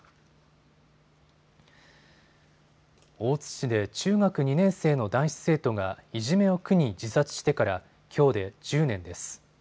大津市で中学２年生の男子生徒がいじめを苦に自殺してからきょうで１０年です。